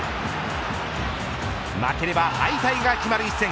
負ければ敗退が決まる一戦。